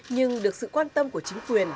nhưng được sự quan tâm của chính quyền